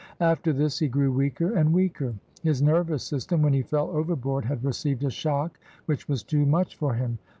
After this he grew weaker and weaker; his nervous system, when he fell overboard, had received a shock which was too much for him.